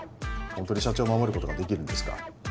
ホントに社長を守ることができるんですか？